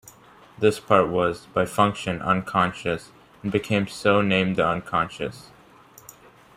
This part was, by function, unconscious, and became so named the Unconscious.